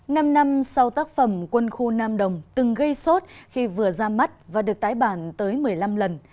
năm năm sau tác phẩm quân khu nam đồng từng gây sốt khi vừa ra mắt và được tái bản tới một mươi năm lần